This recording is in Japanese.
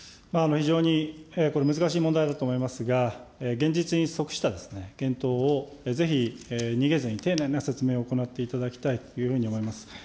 非常に難しい問題だと思いますが、現実に即した検討をぜひ、逃げずに、丁寧な説明を行っていただきたいというふうに思います。